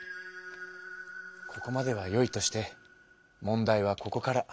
ここまではよいとして問題はここから。